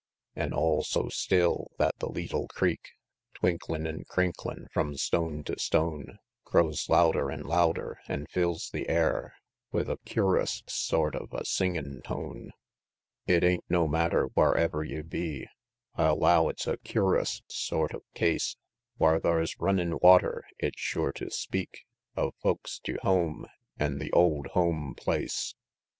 An' all so still, that the leetle creek, Twinklin' an crinklin' from stone to stone, Grows louder an' louder, an' fills the air With a cur'us sort of a singin' tone. It ain't no matter wharever ye be, (I'll 'low it's a cur'us sort of case) Whar thar's runnin' water, it's sure to speak Of folks tew home an' the old home place; XI.